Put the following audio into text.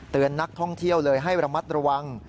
นักท่องเที่ยวเลยให้ระมัดระวัง